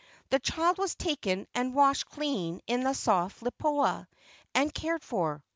The child was taken and washed clean in the soft lipoa, and cared for.